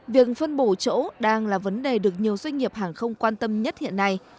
việc phân bổ chỗ đang là vấn đề được nhiều doanh nghiệp hàng không quan tâm nhất hiện nay